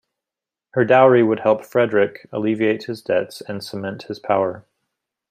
Her dowry would help Frederick alleviate his debts and cement his power.